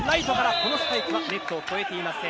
このスパイクはネットを越えていません。